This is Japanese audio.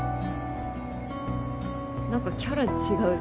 何かキャラ違う。